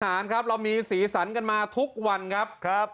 น้านครับเรามีสีสันกันมาทุกวันครับ